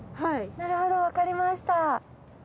なるほどわかりました。